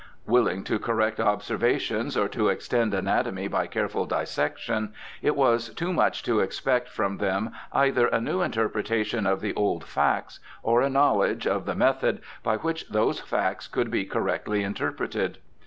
Willing to correct observations or to extend anatomy by careful dissection, it was too much to expect from them either a new interpretation of the old facts or a knowledge of the method by which those facts could be correctly interpreted.